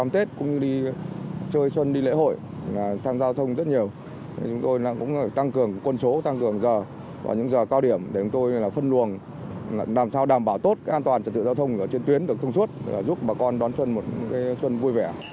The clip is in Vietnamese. tốt an toàn trật tựa giao thông trên tuyến được thông suốt giúp bà con đón xuân một xuân vui vẻ